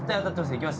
いきます。